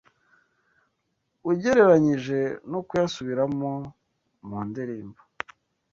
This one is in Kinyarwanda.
ugereranyije no kuyasubiramo mu ndirimbo